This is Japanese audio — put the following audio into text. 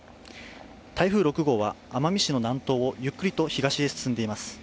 台風６号は、奄美市の南東をゆっくりと東へ進んでいます。